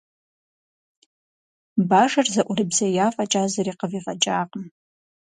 Бажэр зэӀурыбзея фӀэкӀа, зыри къыфӀигъэкӀакъым.